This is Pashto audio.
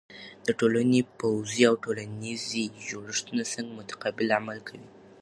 د ټولنې پوځی او ټولنیزې جوړښتونه څنګه متقابل عمل کوي؟